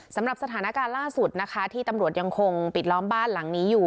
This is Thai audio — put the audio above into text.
สำหรับสถานการณ์ล่าสุดนะคะที่ตำรวจยังคงปิดล้อมบ้านหลังนี้อยู่